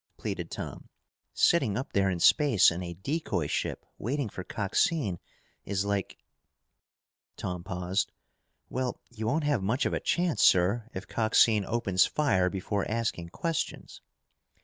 pleaded Tom. "Sitting up there in space in a decoy ship waiting for Coxine is like " Tom paused. "Well, you won't have much of a chance, sir, if Coxine opens fire before asking questions."